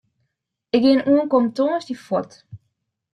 Ik gean ankom tongersdei fuort.